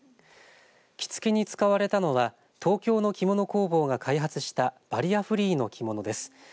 着付けに使われたのは東京の着物工房が開発したバリアフリーの着物です。